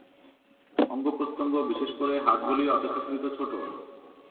অঙ্গপ্রত্যঙ্গ, বিশেষ করে হাতগুলি অপেক্ষাকৃত ছোট।